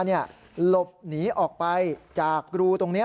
หลบหนีออกไปจากรูตรงนี้